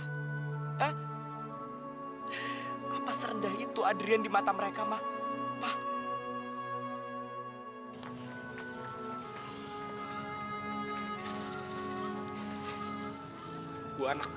kenapa serendah itu adrian di mata mereka pak